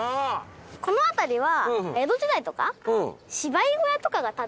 この辺りは。